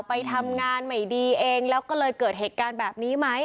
ไปทำงานไม่ดีเองแล้วก็เลยเกิดเหตุการณ์แบบนี้ไหม